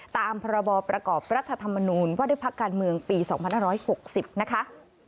ตามพบประกอบรัฐธรรมนุนวัฒนภักรการเมืองปี๒๖๖๐นะครับ